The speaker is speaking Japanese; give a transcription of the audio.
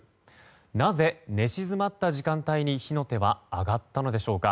なぜ、寝静まった時間帯に火の手は上がったのでしょうか。